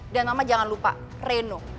dan mama jangan lupa reno